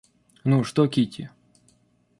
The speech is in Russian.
Ну, что Кити?